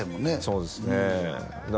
そうですねだ